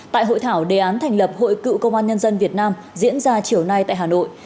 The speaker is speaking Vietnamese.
tại hội thảo đề án thành lập hội cựu công an nhân dân việt nam diễn ra chiều nay tại hà nội